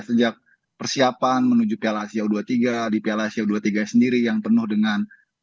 sejak persiapan menuju piala asia u dua puluh tiga di piala asia u dua puluh tiga sendiri yang penuh dengan